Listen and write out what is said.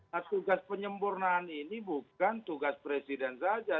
nah tugas penyempurnaan ini bukan tugas presiden saja